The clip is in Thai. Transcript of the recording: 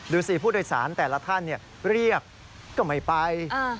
สิผู้โดยสารแต่ละท่านเรียกก็ไม่ไป